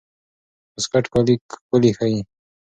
واسکټ کالي ښکلي ښيي.